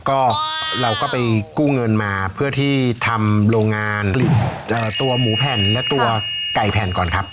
ก็เราก็ไปกู้เงินมาเพื่อที่ทำโรงงานตัวหมูแผ่นและตัวไก่แผ่นก่อนครับ